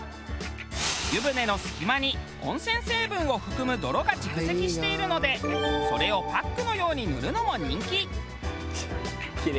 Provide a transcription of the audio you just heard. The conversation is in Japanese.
湯船の隙間に温泉成分を含む泥が蓄積しているのでそれをパックのように塗るのも人気。